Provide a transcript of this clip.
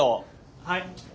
はい。